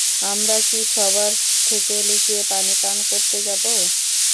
আমরা কি সবার থেকে লুকিয়ে পানি পান করতে যাব?